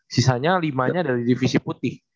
sisanya lima nya dari divisi putih